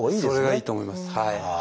それがいいと思います。